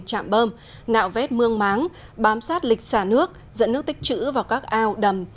chạm bơm nạo vét mương máng bám sát lịch xả nước dẫn nước tích chữ vào các ao đầm